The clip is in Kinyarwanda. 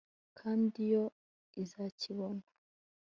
kandi yo izakibona